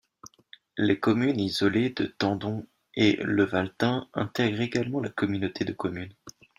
Les communes isolées de Tendon et Le Valtin intègrent également la communauté de communes.